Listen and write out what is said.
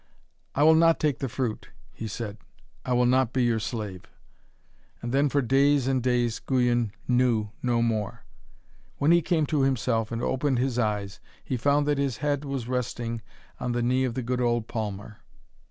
'I will not take the fruit,' he said; 'I will not be your slave.' And then, for days and days, Guyon knew no more. When he came to himself and opened his eyes, he found that his head was resting on the knee of the good old palmer.